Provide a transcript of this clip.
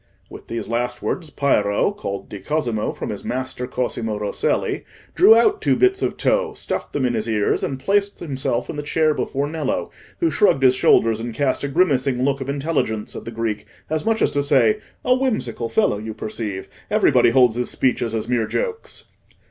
With these last words Piero (called "di Cosimo," from his master, Cosimo Rosselli) drew out two bits of tow, stuffed them in his ears, and placed himself in the chair before Nello, who shrugged his shoulders and cast a grimacing look of intelligence at the Greek, as much as to say, "A whimsical fellow, you perceive! Everybody holds his speeches as mere jokes."